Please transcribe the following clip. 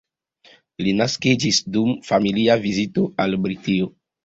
Li naskiĝis dum familia vizito al Britio.